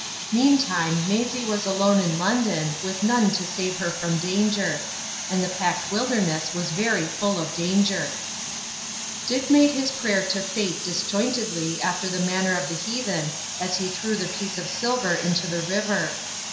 Meantime, Maisie was alone in London, with none to save her from danger. And the packed wilderness was very full of danger. Dick made his prayer to Fate disjointedly after the manner of the heathen as he threw the piece of silver into the river.